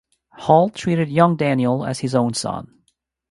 Hull treated young Daniel as his own son.